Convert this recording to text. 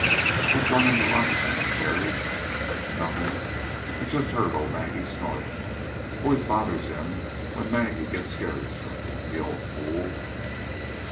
"What brung him to life?" asked Harry. "Nothin', He just heard ol' Maggie snort. Always bothers him when Maggie gets scared of something the old fool!"